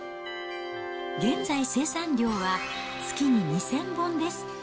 現在生産量は月に２０００本です。